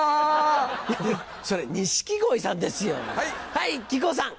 はい木久扇さん。